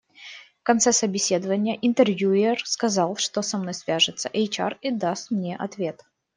В конце собеседования интервьюер сказал, что со мной свяжется HR и даст мне ответ.